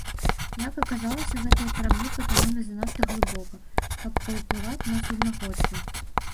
Як аказалася гэтыя караблі патанулі занадта глыбока, каб паўплываць на суднаходства.